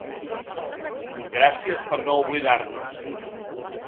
Gràcies per no oblidar-nos!